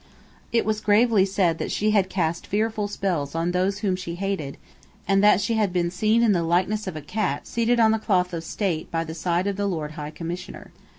It was gravely said that she had cast fearful spells on those whom she hated, and that she had been seen in the likeness of a cat seated on the cloth of state by the side of the Lord High Commissioner.